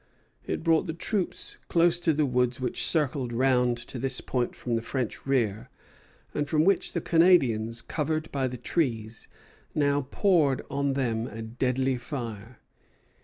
It brought the troops close to the woods which circled round to this point from the French rear, and from which the Canadians, covered by the trees, now poured on them a deadly fire.